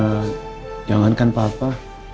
ya jangankan papa